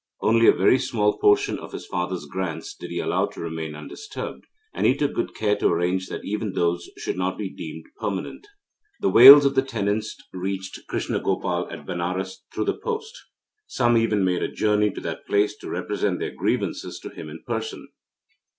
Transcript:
Only a very small portion of his father's grants did he allow to remain undisturbed, and he took good care to arrange that even those should not be deemed permanent. The wails of the tenants reached Krishna Gopal at Benares through the post. Some even made a journey to that place to represent their grievances to him in person.